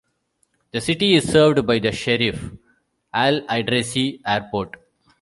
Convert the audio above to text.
The city is served by the Cherif Al Idrissi Airport.